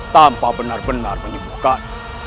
tanpa benar benar menyembuhkan